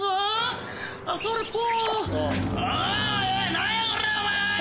何やこれお前！